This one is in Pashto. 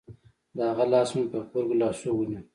د هغه لاس مې په غبرگو لاسو ونيو.